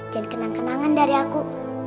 dan kenang kenangan dari aku